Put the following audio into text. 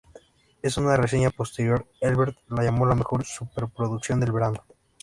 En una reseña posterior, Ebert la llamó "la mejor superproducción del verano".